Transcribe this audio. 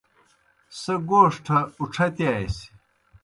سہ گوݜٹھہ اُڇھتِیاسیْ۔